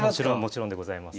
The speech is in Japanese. もちろんでございます。